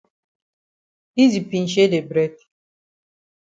Yi di pinchay de bread.